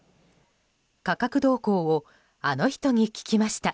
価格動向をあの人に聞きました。